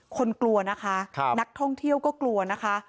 กลัวนะคะนักท่องเที่ยวก็กลัวนะคะ